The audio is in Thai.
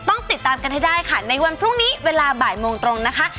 ต้องติดตามกันให้ได้ค่ะในวันพรุ่งนี้เวลาบ่ายโมงตรงนะคะ